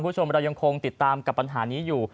คุณผู้ชมเรายังคงติดตามกับปัญหานี้อยู่